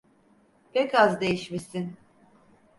Pek az değişmişsin…